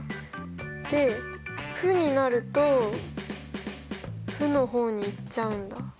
で負になると負の方に行っちゃうんだ。